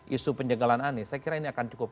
isu penjagalan anies saya kira ini akan cukup